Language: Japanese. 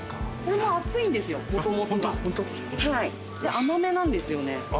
甘めなんですよね。